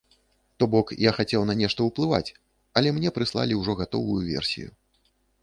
То бок, я хацеў на нешта ўплываць, але мне прыслалі ўжо гатовую версію.